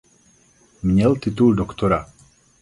Měl titul doktora.